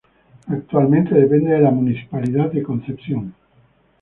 Actualmente depende de la Municipalidad de Concepción.